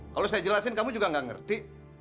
kalau saya jelasin kamu juga nggak ngerti